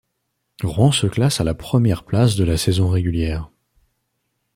Rouen se classe à la première place de la saison régulière.